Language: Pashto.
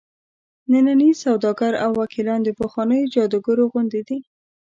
ننني سوداګر او وکیلان د پخوانیو جادوګرو غوندې دي.